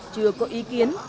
chưa có ý kiến